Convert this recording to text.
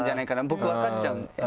僕分かっちゃうので。